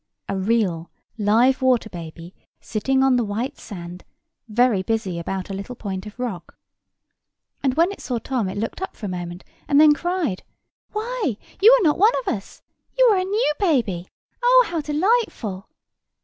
A real live water baby, sitting on the white sand, very busy about a little point of rock. And when it saw Tom it looked up for a moment, and then cried, "Why, you are not one of us. You are a new baby! Oh, how delightful!"